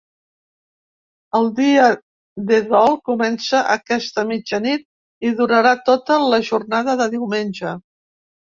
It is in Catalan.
El dia de dol comença aquesta mitjanit i durarà tota la jornada de diumenge.